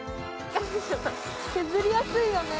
削りやすいよね。